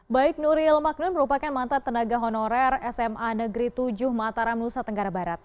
baik nuril magner merupakan mantan tenaga honorer sma negeri tujuh mataram nusa tenggara barat